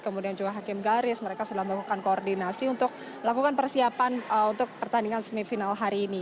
kemudian juga hakim garis mereka sudah melakukan koordinasi untuk melakukan persiapan untuk pertandingan semifinal hari ini